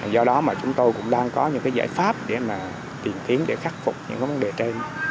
do đó chúng tôi cũng đang có những giải pháp để tìm kiếm khắc phục những vấn đề trên